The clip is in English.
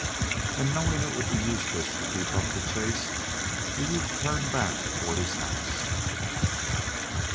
And knowing it would be useless to keep up the chase, the youth turned back toward his house.